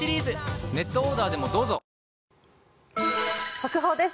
速報です。